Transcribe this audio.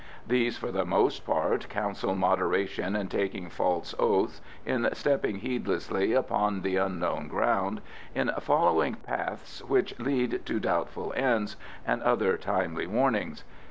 These for the most part counsel moderation in taking false oaths, in stepping heedlessly upon the unknown ground, in following paths which lead to doubtful ends, and other timely warnings.